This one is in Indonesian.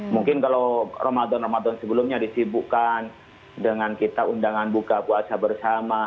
mungkin kalau ramadan ramadan sebelumnya disibukkan dengan kita undangan buka puasa bersama